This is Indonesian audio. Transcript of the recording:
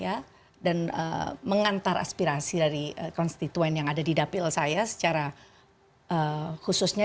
ya dan mengantar aspirasi dari konstituen yang ada di dapil saya secara khususnya